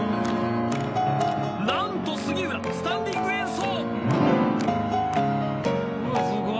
何と杉浦スタンディング演奏！